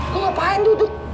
lu ngapain duduk